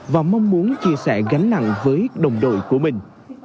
và mong muốn chia sẻ gánh nặng với đồng đội của mình